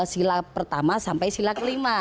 sila pertama sampai sila kelima